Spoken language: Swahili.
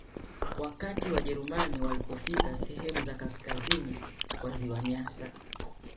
Wakati Wajerumani walipofika sehemu za kaskazini kwa Ziwa Nyasa